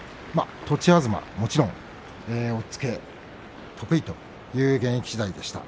栃東、もちろん押っつけ得意という現役時代でした。